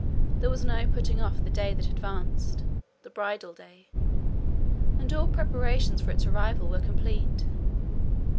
There was no putting off the day that advanced—the bridal day; and all preparations for its arrival were complete.